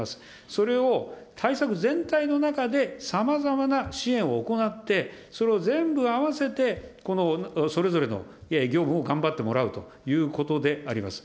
それを対策全体の中で、さまざまな支援を行って、それを全部合わせて、それぞれの業務を頑張ってもらうということであります。